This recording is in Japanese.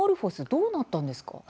どうなったんですか？